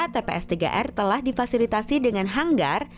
tps tiga r telah difasilitasi dengan hanggar